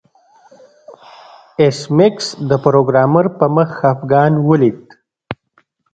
ایس میکس د پروګرامر په مخ خفګان ولید